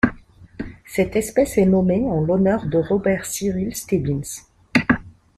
Cette espèce est nommée en l'honneur de Robert Cyril Stebbins.